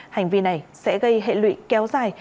hành vi này sẽ gây hệ lụy kéo dài